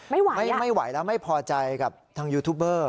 ไม่ไหวไม่ไหวแล้วไม่พอใจกับทางยูทูบเบอร์